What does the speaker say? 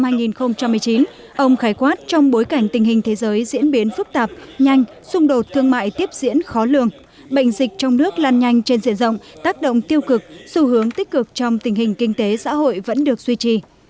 phó thủ tướng khái quát mặc dù trong ối cảnh tình hình thế giới diễn biến nhanh phức tạp xung đột thương mại tiếp diễn khó lường bệnh dịch trong nước là nhanh trên diện rộng tác động tiêu cực nhưng xu hướng tích cực trong tình hình kinh tế xã hội vẫn được duy trì